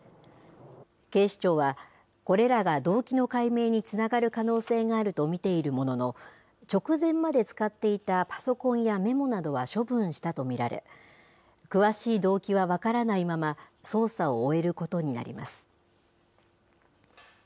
警視庁は、これらが動機の解明につながる可能性があると見ているものの、直前まで使っていたパソコンやメモなどは処分したと見られ、詳しい動機は分からないまま、捜査を終えることになります。